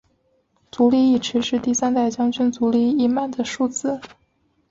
足利义持是第三代将军足利义满的庶子。